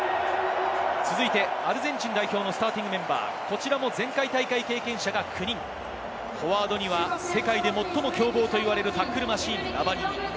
続いてアルゼンチン代表のスターティングメンバー、前回大会経験者が９人、フォワードには世界で最も強豪と言われるタックルマシーン、ラバニニ。